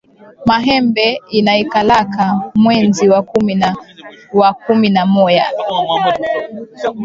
Mahembe inaikalaka mwenzi wa kumi na wa kumi na moya